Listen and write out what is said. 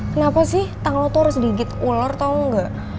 kenapa sih tang lo tuh harus digigit ular tau gak